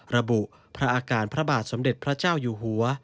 ระบุพระอาการพระบาทสมเด็จพระเจ้าอยู่หัว